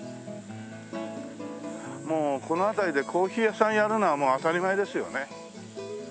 もうこの辺りでコーヒー屋さんやるのはもう当たり前ですよね。